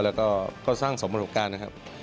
แล้วก็สร้างสมประสบการณ์นะครับ